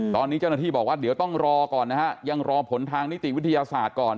ตอนนี้เจ้าหน้าที่บอกว่าเดี๋ยวต้องรอก่อนนะฮะยังรอผลทางนิติวิทยาศาสตร์ก่อน